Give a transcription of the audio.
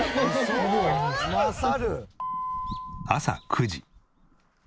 朝９時。